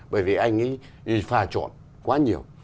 bởi vì anh phà trộn quá nhiều